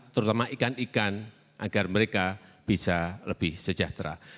terutama ikan ikan agar mereka bisa lebih sejahtera